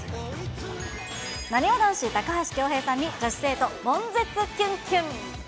なにわ男子・高橋恭平さんに女子生徒もん絶きゅんきゅん。